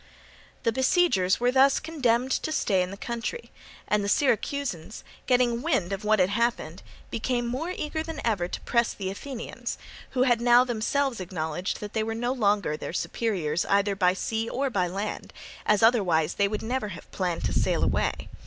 The besiegers were thus condemned to stay in the country; and the Syracusans, getting wind of what had happened, became more eager than ever to press the Athenians, who had now themselves acknowledged that they were no longer their superiors either by sea or by land, as otherwise they would never have planned to sail away.